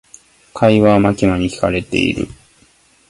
会話はマキマに聞かれている。